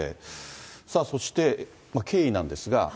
さあそして、経緯なんですが。